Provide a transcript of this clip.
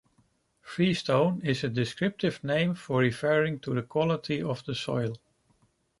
Freestone is a descriptive name referring to the quality of the soil.